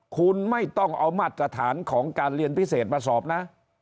คุณไม่ต้องเอามาตรฐานของการเรียนพิเศษมาสอบนะ